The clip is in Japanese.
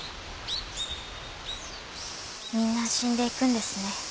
みんな死んでいくんですね。